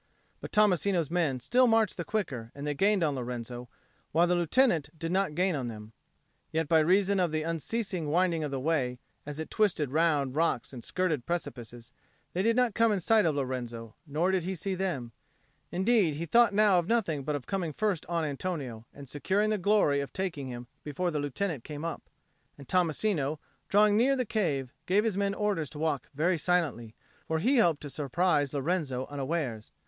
But Tommasino's men still marched the quicker, and they gained on Lorenzo, while the Lieutenant did not gain on them; yet by reason of the unceasing windings of the way, as it twisted round rocks and skirted precipices, they did not come in sight of Lorenzo, nor did he see them; indeed he thought now of nothing but of coming first on Antonio, and of securing the glory of taking him before the Lieutenant came up. And Tommasino, drawing near the cave, gave his men orders to walk very silently; for he hoped to surprise Lorenzo unawares.